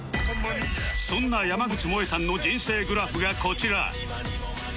そんな山口もえさんの人生グラフがこちら